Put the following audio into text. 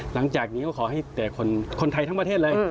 หลังจากนี้ก็ขอให้แต่คนไทยทั้งประเทศเลย